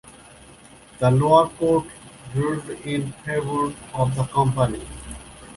The lower court ruled in favor of the company.